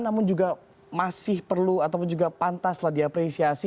namun juga masih perlu ataupun juga pantaslah diapresiasi